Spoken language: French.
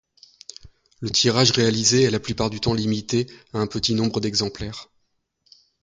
Le tirage réalisé est la plupart du temps limité à un petit nombre d'exemplaires.